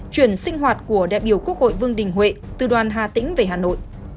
chuyển sinh hoạt của đại biểu quốc hội vương đình huệ từ đoàn hà tĩnh về hà nội